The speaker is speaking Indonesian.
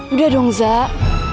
udah dong zak